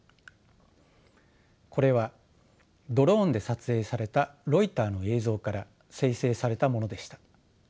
これはドローンで撮影されたロイターの映像から生成されたものでした。